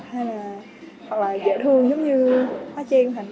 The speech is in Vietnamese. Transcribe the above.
hoặc là dễ thương giống như hóa trang